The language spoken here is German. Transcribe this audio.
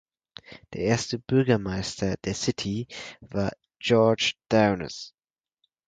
Der erste Bürgermeister der City war George Downes.